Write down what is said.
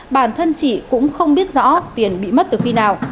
bản thân chị cũng không biết rõ tiền bị mất từ khi nào